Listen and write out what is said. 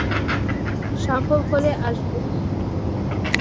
সম্ভব হলে আসব।